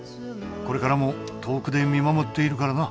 これからも遠くで見守っているからな